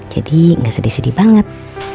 jadi gak sedih sedih banget